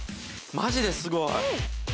マジですごい。